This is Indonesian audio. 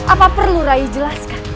apa perlu rai jelaskan